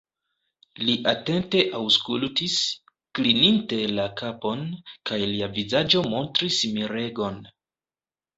Li atente aŭskultis, klininte la kapon, kaj lia vizaĝo montris miregon.